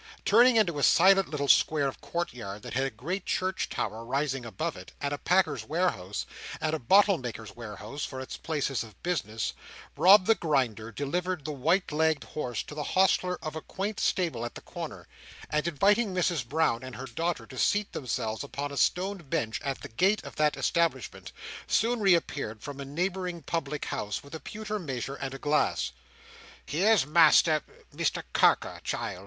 Turning into a silent little square or court yard that had a great church tower rising above it, and a packer's warehouse, and a bottle maker's warehouse, for its places of business, Rob the Grinder delivered the white legged horse to the hostler of a quaint stable at the corner; and inviting Mrs Brown and her daughter to seat themselves upon a stone bench at the gate of that establishment, soon reappeared from a neighbouring public house with a pewter measure and a glass. "Here's master—Mr Carker, child!"